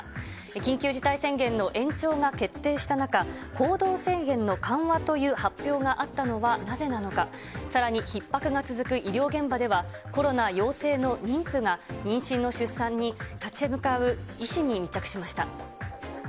緊急事態宣言の延長が決定した中、行動制限の緩和という発表があったのはなぜなのか、さらにひっ迫が続く医療現場では、コロナ陽性の妊婦が妊娠の出産に立ち向かう医師に密着しました。